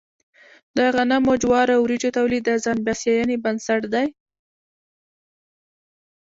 د غنمو، جوارو او وريجو تولید د ځان بسیاینې بنسټ دی.